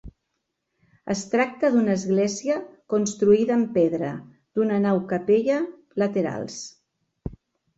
Es tracta d'una església construïda amb pedra, d'una nau capella laterals.